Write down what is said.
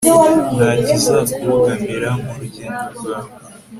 nta kizakubogamira mu rugendo rwawe,